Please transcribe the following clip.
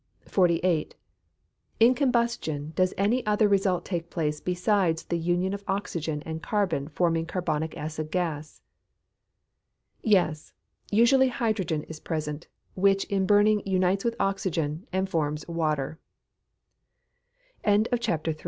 48. In combustion does any other result take place besides the union of oxygen and carbon forming carbonic acid gas? Yes. Usually hydrogen is present, which in burning unites with oxygen, and forms water. CHAPTER IV. 49. _What is hydrogen?